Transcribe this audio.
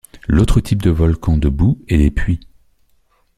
L'autre type de volcans de boue est des puits.